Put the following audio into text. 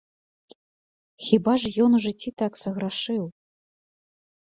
Хіба ж ён у жыцці так саграшыў!